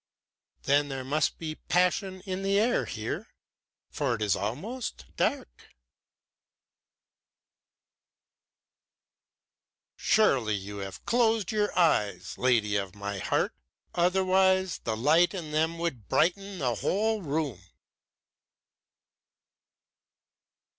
"Then there must be passion in the air here, for it is almost dark." "Surely you have closed your eyes, lady of my heart! Otherwise the light in them would brighten the whole room."